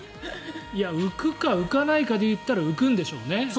浮くか、浮かないかでいったら浮くんでしょうね。